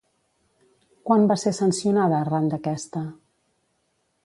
Quan va ser sancionada arran d'aquesta?